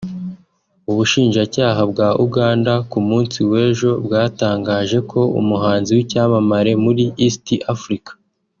ubushinjacyaha bwa Uganda ku munsi w’ejo bwatangaje ko umuhanzi w’icyamamare muri East Africa